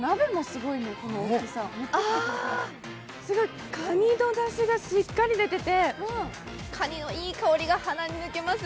あ、すごいかにのだしがしっかり出ててかにのいい香りが鼻に抜けます。